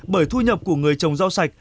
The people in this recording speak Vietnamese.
bởi thu nhập của người trồng rau sạch